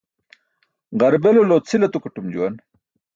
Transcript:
Ġarbelulo cʰil atukaṭum juwan